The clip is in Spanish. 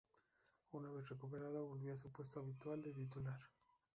Una vez recuperado, volvió a su puesto habitual de titular.